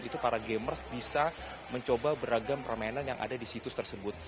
itu para gamers bisa mencoba beragam permainan yang ada di situs tersebut